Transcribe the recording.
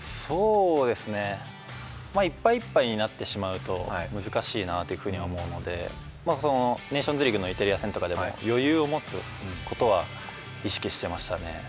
いっぱいいっぱいになってしまうと難しいかなと思うのでネーションズリーグのイタリア戦とかでも余裕を持つことは意識してましたね。